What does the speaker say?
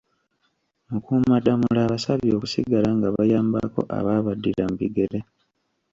Mukuumaddamula abasabye okusigala nga bayambako abaabaddira mu bigere.